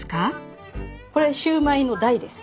これシューマイの台です。